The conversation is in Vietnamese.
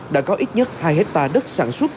đã có ít nhất hai hectare đất sản xuất